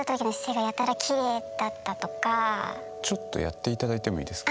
ちょっとやっていただいてもいいですか。